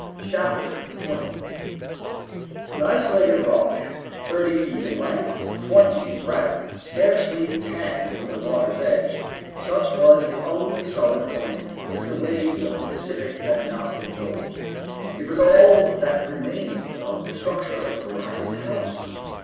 Chapter 20 An isolated rock, thirty feet in length, twenty in breadth, scarcely ten from the water's edge, such was the only solid point which the waves of the Pacific had not engulfed. It was all that remained of the structure of Granite House!